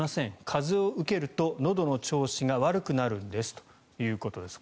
風を受けると、のどの調子が悪くなるんですということです。